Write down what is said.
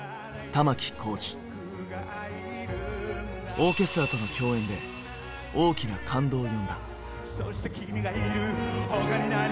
オーケストラとの共演で大きな感動を呼んだ。